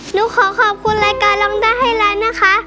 หนูขอขอบคุณรายการร้องได้ให้ร้านนะคะ